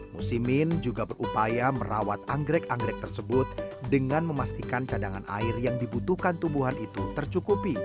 musimin juga berupaya merawat anggrek anggrek tersebut dengan memastikan cadangan air yang dibutuhkan tumbuhan itu tercukupi